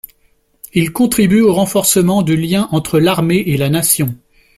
Il contribue au renforcement du lien entre l’armée et la Nation.